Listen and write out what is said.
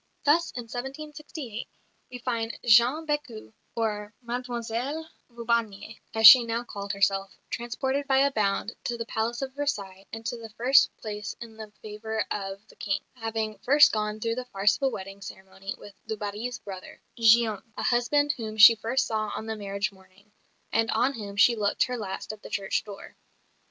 Thus, in 1768, we find Jeanne Bécu or "Mademoiselle Vaubarnier," as she now called herself transported by a bound to the Palace of Versailles and to the first place in the favour of the King, having first gone through the farce of a wedding ceremony with du Barry's brother, Guillaume, a husband whom she first saw on the marriage morning, and on whom she looked her last at the church door.